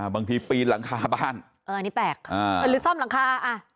ปีนหลังคาบ้านเอออันนี้แปลกหรือซ่อมหลังคา